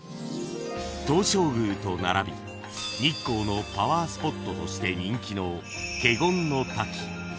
［東照宮と並び日光のパワースポットとして人気の華厳滝］